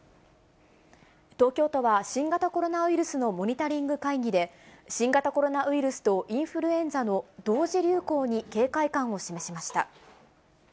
東京都は新型コロナウイルスのモニタリング会議で、新型コロナウイルスとインフルエンザの同時流行に警戒感を示しました。